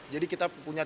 jadi kita punya ciptaan